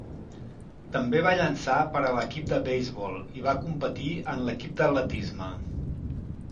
També va llançar per a l'equip de beisbol i va competir en l'equip d'atletisme.